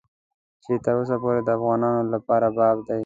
چې تر اوسه پورې د افغانانو لپاره باب دی.